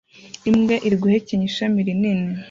Imbwa iri guhekenya ishami rinini